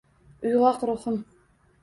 Uyg’oq ruhim